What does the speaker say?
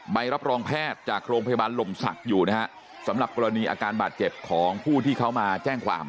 ใบรับรองแพทย์จากโรงพยาบาลลมศักดิ์อยู่นะฮะสำหรับกรณีอาการบาดเจ็บของผู้ที่เขามาแจ้งความ